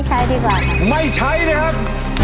ไม่ใช้ดีกว่าครับนะครับไม่ใช้นะครับ